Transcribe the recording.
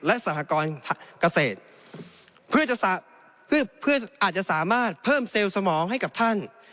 และสากรเกษตรเพื่อจะสามารถเพิ่มเซลล์สมองให้กับท่าน